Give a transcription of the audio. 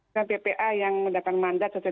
iya ini ppa yang mendapat mandat sesuai